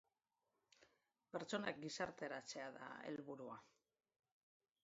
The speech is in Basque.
Pertsonak gizarteratzea da helburua.